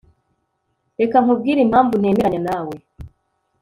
Reka nkubwire impamvu ntemeranya nawe